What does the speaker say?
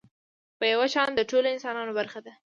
په يو شان د ټولو انسانانو برخه ده.